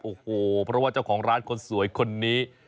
โอ้โหเพราะว่าเจ้าของร้านคนสวยคนนี้